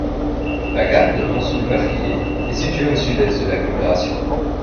La gare de Montsoult - Maffliers est située au sud-est de l'agglomération.